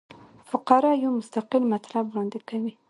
فقره یو مستقل مطلب وړاندي کوي.